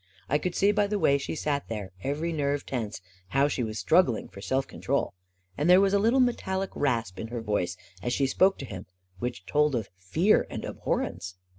I could see by the way she sat there, every nerve tense, how she was struggling for self control. And there was a little metallic rasp in her voice as she spoke to him which told of fear and abhorrence.